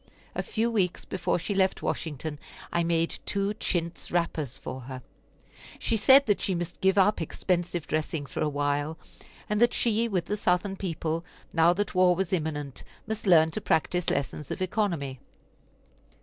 A few weeks before she left Washington I made two chintz wrappers for her. She said that she must give up expensive dressing for a while; and that she, with the Southern people, now that war was imminent, must learn to practise lessons of economy.